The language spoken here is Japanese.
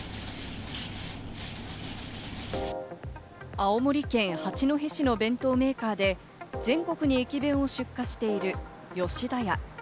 青森県八戸市の弁当メーカーで、全国に駅弁を出荷している吉田屋。